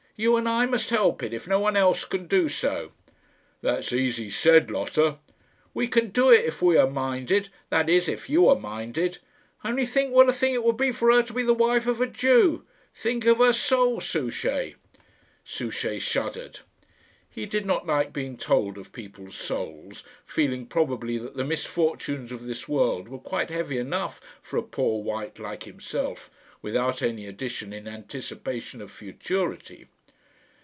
You and I must help it, if no one else can do so." "That's easy said, Lotta." "We can do it, if we are minded that is, if you are minded. Only think what a thing it would be for her to be the wife of a Jew! Think of her soul, Souchey!" Souchey shuddered. He did not like being told of people's souls, feeling probably that the misfortunes of this world were quite heavy enough for a poor wight like himself, without any addition in anticipation of futurity.